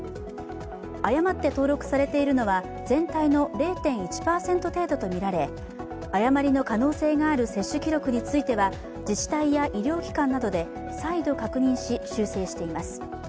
誤って登録されているのは全体の０．１％程度とみられ誤りの可能性がある接種記録については自治体や医療機関などで再度確認し修正しています。